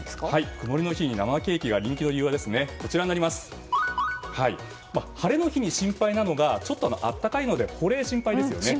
曇りの日に生ケーキが人気の理由は晴れの日に心配なのが暖かいので保冷が心配ですよね。